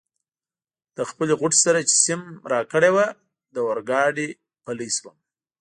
له خپلې غوټې سره چي سیم راکړې وه له اورګاډي پلی شوم.